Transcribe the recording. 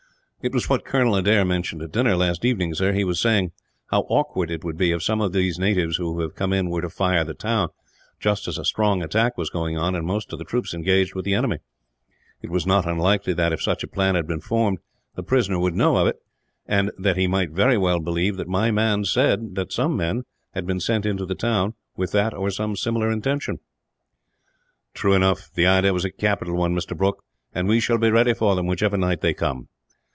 "It was what Colonel Adair mentioned at dinner, last evening, sir. He was saying how awkward it would be if some of these natives who have come in were to fire the town, just as a strong attack was going on, and most of the troops engaged with the enemy. It was not unlikely that, if such a plan had been formed, the prisoner would know of it; and that he might very well believe what my man said, that some men had been sent into the town, with that or some similar intention." "True enough. The idea was a capital one, Mr. Brooke; and we shall be ready for them, whichever night they come.